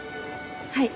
はい。